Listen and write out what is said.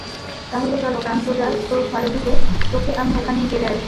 তাহলে চল কাল সোজা তোর ঘরে ঢুকে, তোকে আমি ওখানেই গেড়ে আসবো।